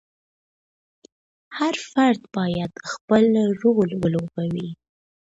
هر فرد باید خپل رول ولوبوي.